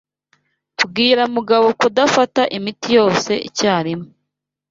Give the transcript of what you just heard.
Bwira Mugabo kudafata imiti yose icyarimwe.